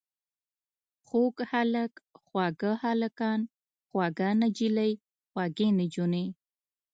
خوږ هلک، خواږه هلکان، خوږه نجلۍ، خوږې نجونې.